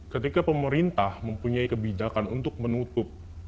ketika pemerintah mempunyai kebijakan untuk menutup